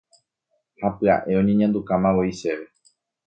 Ha pya'e oñeñandukamavoi chéve.